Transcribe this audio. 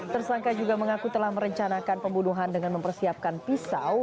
tersangka juga mengaku telah merencanakan pembunuhan dengan mempersiapkan pisau